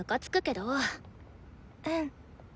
うん。